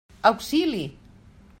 Auxili!